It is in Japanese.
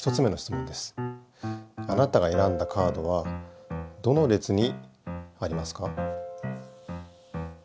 こんどはあなたがえらんだカードはどの列にありますか？